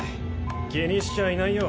気にしちゃいないよ。